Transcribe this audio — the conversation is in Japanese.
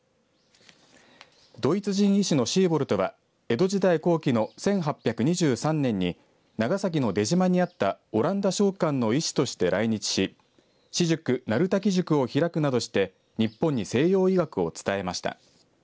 ドイツ人医師のシーボルトは江戸時代後期の１８２３年に長崎の出島にあったオランダ商館の医師として来日し私塾、鳴滝塾を開くなどして日本に西洋医学を伝えました。